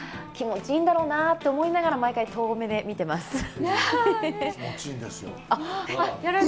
気持ちいいんだろうなと思いながら毎回、遠目で見ています。